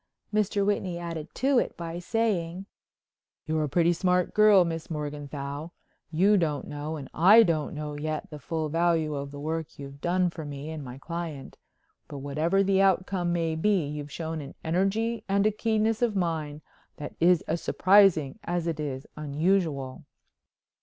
Mr. Whitney added to it by saying: "You're a pretty smart girl, Miss Morganthau. You don't know and I don't know yet the full value of the work you've done for me and my client. But whatever the outcome may be you've shown an energy and keenness of mind that is as surprising as it is unusual."